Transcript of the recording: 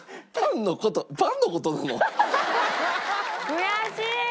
悔しい！